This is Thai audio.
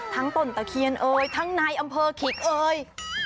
ทั้งปนตะเคียนเอ้ยทั้งนายอำเภอขีกเอ้ย